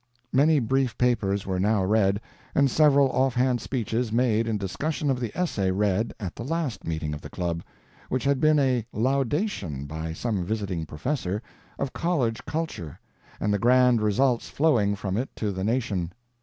Many brief papers were now read, and several offhand speeches made in discussion of the essay read at the last meeting of the club, which had been a laudation, by some visiting professor, of college culture, and the grand results flowing from it to the nation.